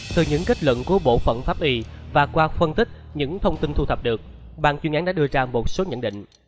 từ những kết luận của bộ phận pháp y và qua phân tích những thông tin thu thập được bàn chuyên án đã đưa ra một số nhận định